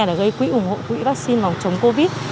để gây quỹ ủng hộ quỹ vắc xin chống covid